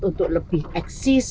untuk lebih eksis